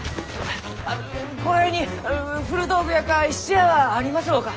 あのこの辺に古道具屋か質屋はありますろうか？